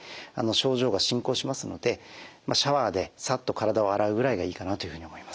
症状が進行しますのでシャワーでさっと体を洗うぐらいがいいかなというふうに思います。